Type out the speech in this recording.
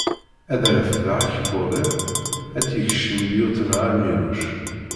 Ad refdeɣ akebbuḍ-iw, ad tt-yekcem lyuṭna Ɛmiruc.